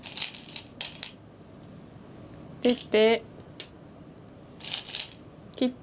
出て切って。